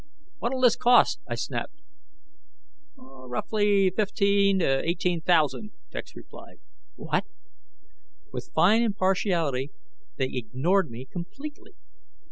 "What'll this cost?" I snapped. "Roughly, 15 to 18 thousand," Dex replied. "What?" With fine impartiality, they ignored me completely.